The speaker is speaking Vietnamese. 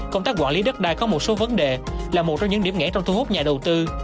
công tác quản lý đất đai có một số vấn đề là một trong những điểm ngẽn trong thu hút nhà đầu tư